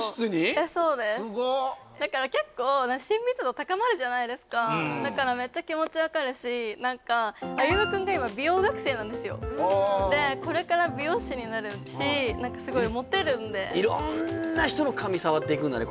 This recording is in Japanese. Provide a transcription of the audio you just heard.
えっそうですだから結構だからめっちゃ気持ち分かるし何かあゆむくんが今美容学生なんですよでこれから美容師になるし何かすごいモテるんで色んな人の髪触っていくんだね